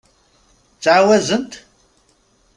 Ttɛawazent?